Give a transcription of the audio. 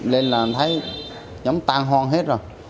lên là thấy giống tan hoang hết rồi